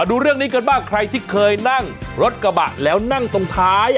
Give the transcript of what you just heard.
ดูเรื่องนี้กันบ้างใครที่เคยนั่งรถกระบะแล้วนั่งตรงท้าย